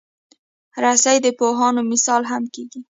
رسۍ د پوهانو مثال هم کېږي.